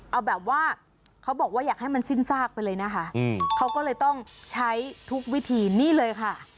เอาแบบว่าเขาบอกว่าอยากให้มันสิ้นซากไปเลยนะคะเขาก็เลยต้องใช้ทุกวิธีนี่เลยค่ะ